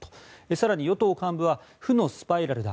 更に与党幹部は負のスパイラルだ。